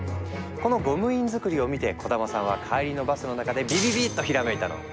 このゴム印作りを見て小玉さんは帰りのバスの中でビビビッとひらめいたの！